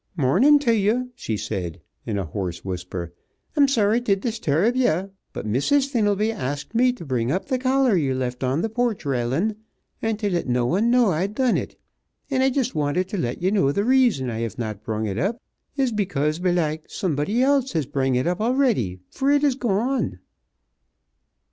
"Mornin' to ye," she said in a hoarse whisper. "I'm sorry t' disthurb ye, but Missus Fenelby axed me t' bring up th' collar ye left on th' porrch railin', an' t' let no wan know I done it, an' I just wanted t' let ye know th' reason I have not brung it up is because belike someone else has brang it already, for it is gone."